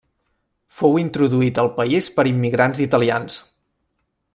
Fou introduït al país per immigrants italians.